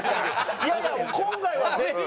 いやいや今回は絶対。